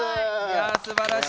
いやすばらしい。